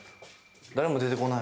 誰も出てこない